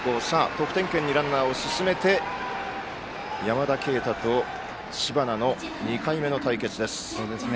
得点圏にランナーを進めて山田渓太と知花の２回目の対決です。